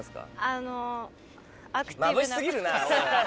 あのアクティブな。